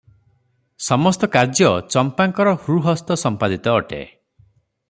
ସମସ୍ତ କାଯ୍ୟ ଚଂପାଙ୍କର ହୃହସ୍ତ ସଂପାଦିତ ଅଟେ ।